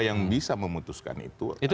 yang bisa memutuskan itu